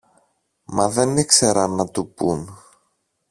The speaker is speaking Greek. Μα δεν ήξεραν να του πουν.